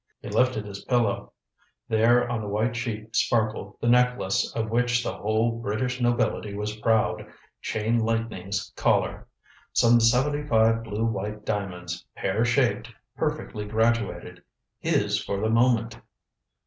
He lifted his pillow. There on the white sheet sparkled the necklace of which the whole British nobility was proud Chain Lightning's Collar. Some seventy five blue white diamonds, pear shaped, perfectly graduated. His for the moment!